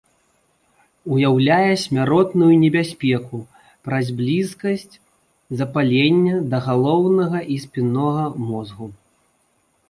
Уяўляе смяротную небяспеку праз блізкасць запалення да галаўнога і спіннога мозгу.